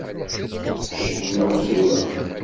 Cennuɣ tura.